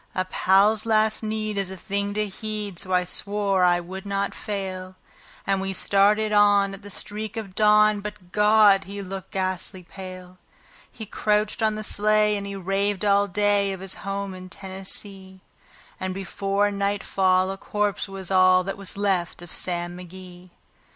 A pal's last need is a thing to heed, so I swore I would not fail; And we started on at the streak of dawn; but God! he looked ghastly pale. He crouched on the sleigh, and he raved all day of his home in Tennessee; And before nightfall a corpse was all that was left of Sam McGee.